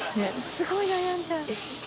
すごい悩んじゃう。